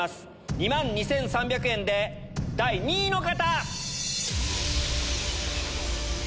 ２万２３００円で第２位の方！